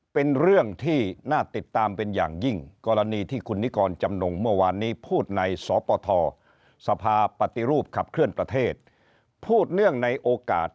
ครับขอบคุณครับคุณกอฟคุณดาวครับ